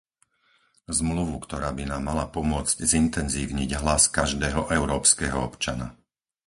Zmluvu, ktorá by nám mala pomôcť zintenzívniť hlas každého európskeho občana.